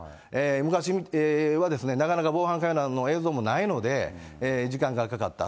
昔はなかなか防犯カメラの映像もないので、時間がかかった。